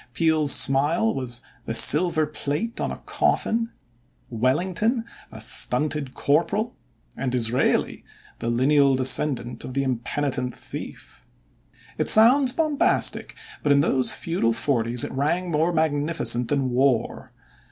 Peel's smile was "the silver plate on a coffin", Wellington "a stunted corporal", and Disraeli "the lineal descendant of the impenitent thief." It sounds bombastic, but in those feudal forties it rang more magnificent than war.